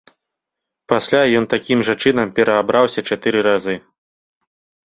Пасля ён такім жа чынам пераабраўся чатыры разы.